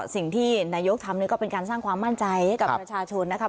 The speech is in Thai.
สิ่งที่นายกทำนี่ก็เป็นการสร้างความมั่นใจให้กับประชาชนนะครับ